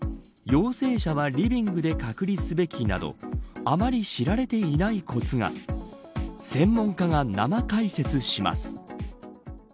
陽性者はリビングで隔離すべきなどあまり知られていないコツが専門家が生解説します。